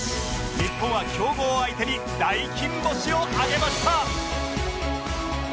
日本は強豪相手に大金星を挙げました